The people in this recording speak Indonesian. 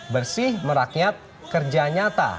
bersih merakyat kerja nyata